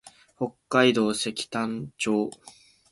北海道積丹町